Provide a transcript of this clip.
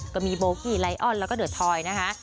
ก็มีโบกี้ไลออนแล้วก็เดอร์ทอยนะคะ